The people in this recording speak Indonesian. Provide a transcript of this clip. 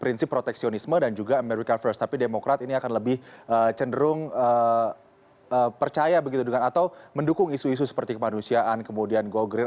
prinsip proteksionisme dan juga america first tapi demokrat ini akan lebih cenderung percaya begitu dengan atau mendukung isu isu seperti kemanusiaan kemudian go great